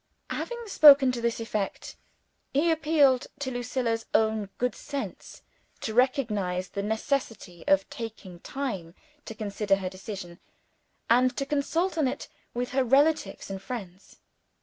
Having spoken to this effect, he appealed to Lucilla's own good sense to recognize the necessity of taking time to consider her decision, and to consult on it with relatives and friends.